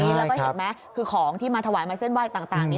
แล้วก็เห็นไหมคือของที่มาถวายมาเส้นไหว้ต่างนี้